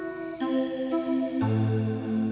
oh kamu benar